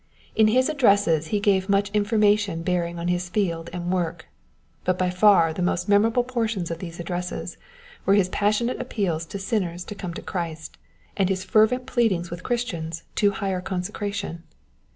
In his addresses he gave much information bearing on his field and work. But by far the most memorable portions of these addresses were his passionate appeals to sinners to come to Christ, and his fervent pleadings with Christians to higher consecration.